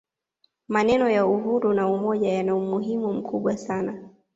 maneno ya uhuru na umoja yana umuhimu mkubwa sana